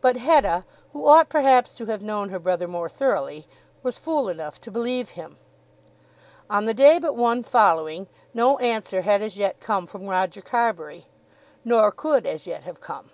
But Hetta, who ought perhaps to have known her brother more thoroughly, was fool enough to believe him. On the day but one following, no answer had as yet come from Roger Carbury, nor could as yet have come.